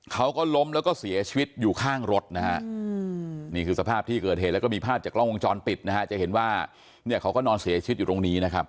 เขาก็ล้มแล้วก็เสียชีวิตอยู่ข้างรถนะฮะนี่คือสภาพที่เกิดเหตุแล้วก็มีภาพจากกล้องวงจรปิดนะฮะจะเห็นว่าเนี่ยเขาก็นอนเสียชีวิตอยู่ตรงนี้นะครับ